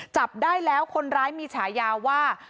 จับได้แล้วคนร้ายมีฉายาว่า